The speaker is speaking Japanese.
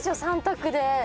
３択で。